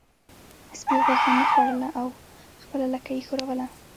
سپي غوښه نه خوړله او خپله لکۍ یې ښوروله.